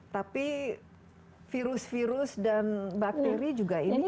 tapi virus virus dan bakteri juga ini kan bisa